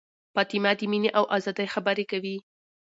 فاطمه د مینې او ازادۍ خبرې کوي.